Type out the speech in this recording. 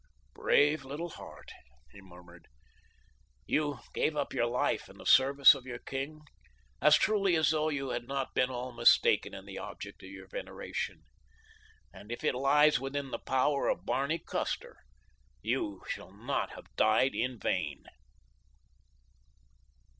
"Brave little heart," he murmured, "you gave up your life in the service of your king as truly as though you had not been all mistaken in the object of your veneration, and if it lies within the power of Barney Custer you shall not have died in vain."